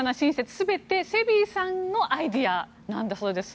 全てセビーさんのアイデアなんだそうです。